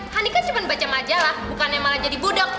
honey kan cuman baca majalah bukan yang malah jadi bodoh